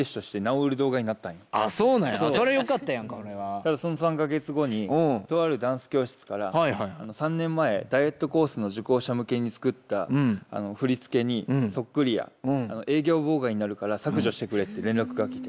ただその３か月後にとあるダンス教室から「３年前ダイエットコースの受講者向けに作った振り付けにそっくりや営業妨害になるから削除してくれって」連絡が来て。